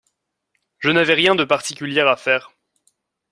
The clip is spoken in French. Je n’avais rien de particulier à faire.